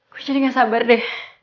gue jadi gak sabar deh